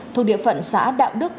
thuộc địa phận xã đạo đức